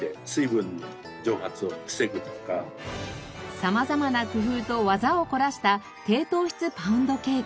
様々な工夫と技を凝らした低糖質パウンドケーキ。